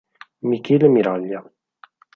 Michele Miraglia